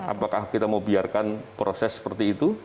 apakah kita mau biarkan proses seperti itu